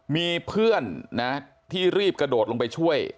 มีเพื่อนนะที่รีบกระโดดลงไปช่วย